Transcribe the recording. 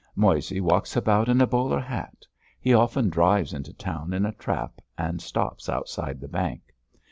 Moissey walks about in a bowler hat; he often drives into town in a trap and stops outside the bank.